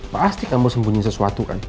pasti kamu sembunyi sesuatu kan